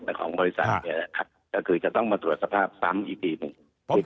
แต่ของบริษัทเนี่ยนะครับก็คือจะต้องมาตรวจสภาพซ้ำอีกทีหนึ่ง